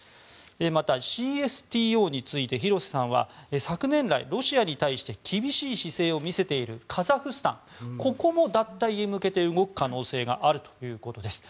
またＣＳＴＯについて廣瀬さんは昨年来、ロシアに対して厳しい姿勢を見せているカザフスタンここも脱退に向けて動く可能性があるということです。